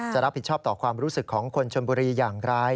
จะรับผิดชอบต่อความรู้สึกของคนชนบุรีอย่างไร